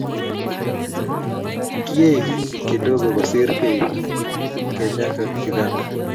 kiek kidogo kosir kei kenya ka uganda